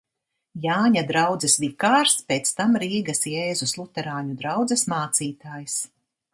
Jāņa draudzes vikārs, pēc tam Rīgas Jēzus luterāņu draudzes mācītājs.